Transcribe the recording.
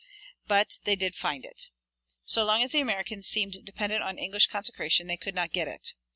But they did find it. So long as the Americans seemed dependent on English consecration they could not get it.